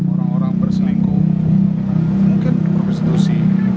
orang orang berselingkuh mungkin prostitusi